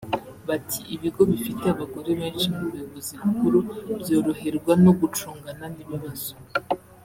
bati “Ibigo bifite abagore benshi mu buyobozi bukuru byoroherwa no gucungana n’ibibazo